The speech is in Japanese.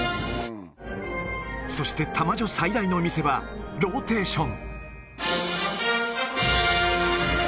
そして、玉女最大の見せ場、ローテーション。